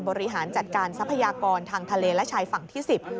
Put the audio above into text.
บริหารจัดการทรัพยากรทางทะเลและชายฝั่งที่๑๐